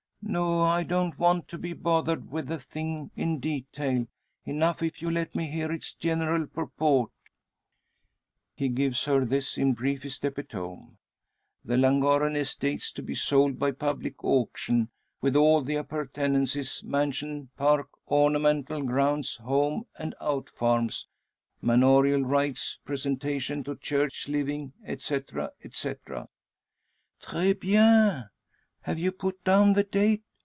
"No. I don't want to be bothered with the thing in detail. Enough, if you let me hear its general purport." He gives her this in briefest epitome: "_The Llangorren estates to be sold by public auction, with all the appurtenances, mansion, park, ornamental grounds, home and out farms, manorial rights, presentation to church living, etc, etc_." "Tres bien! Have you put down the date?